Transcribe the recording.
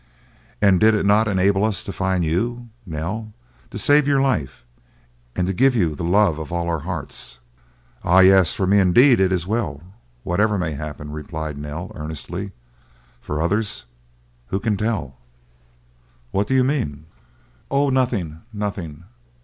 and did it not enable us to find you, Nell, to save your life, and give you the love of all our hearts?" "Ah, yes, for me indeed it is well, whatever may happen," replied Nell earnestly; "for others—who can tell?" "What do you mean?" "Oh, nothing—nothing.